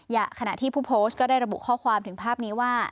ขณะที่ผู้โพสต์ก็ได้ระบุข้อความถึงภาพนี้ว่า